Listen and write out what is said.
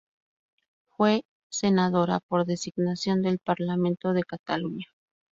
Fue senadora por designación del Parlamento de Cataluña.